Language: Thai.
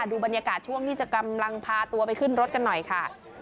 ดูบรรยากาศช่วงที่จะกำลังพาตัวไปขึ้นรถกันหน่อยค่ะ